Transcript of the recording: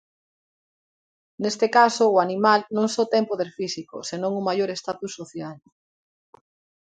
Neste caso, o animal, non só ten poder físico, senón un maior status social.